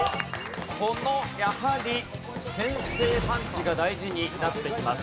このやはり先制パンチが大事になってきます。